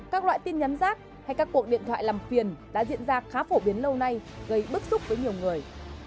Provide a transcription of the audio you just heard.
các loại tin nhắn rác hay các cuộc điện thoại làm phiền đã diễn ra khá phổ biến lâu nay gây bức xúc với nhiều người